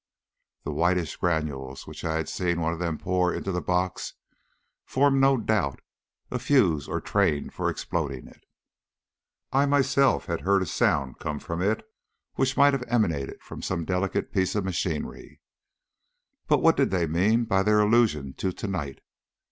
The whitish granules which I had seen one of them pour into the box formed no doubt a fuse or train for exploding it. I had myself heard a sound come from it which might have emanated from some delicate piece of machinery. But what did they mean by their allusion to to night?